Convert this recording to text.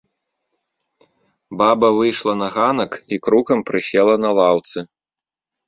Баба выйшла на ганак і крукам прысела на лаўцы.